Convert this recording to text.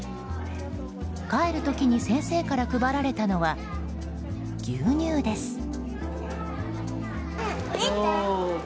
帰る時に先生から配られたのは牛乳です。